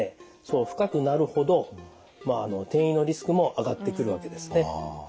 その深くなるほど転移のリスクも上がってくるわけですね。